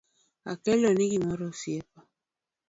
Akeloni gimoro osiepa